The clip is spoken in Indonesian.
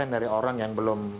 dari orang yang belum